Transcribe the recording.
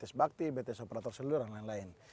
dari bts bakti bts operator seluruh dan lain lain